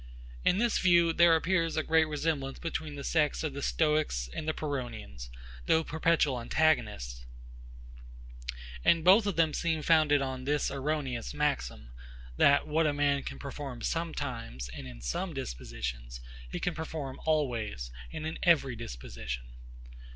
In this view, there appears a great resemblance between the sects of the STOICS and PYRRHONIANS, though perpetual antagonists; and both of them seem founded on this erroneous maxim, That what a man can perform sometimes, and in some dispositions, he can perform always, and in every disposition.